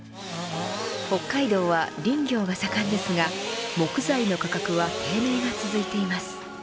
北海道は林業が盛んですが木材の価格は低迷が続いています。